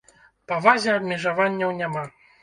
Па вазе абмежаванняў няма!